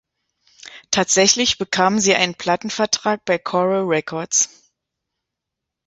Tatsächlich bekamen sie einen Plattenvertrag bei Coral Records.